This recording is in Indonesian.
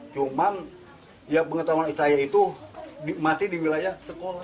cuman ya pengetahuan saya itu masih di wilayah sekolah